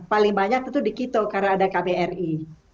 paling banyak itu di kito karena ada kbri